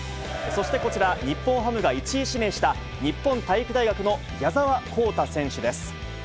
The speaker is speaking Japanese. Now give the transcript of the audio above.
そしてこちら、日本ハムが１位指名した日本体育大学の矢澤宏太選手です。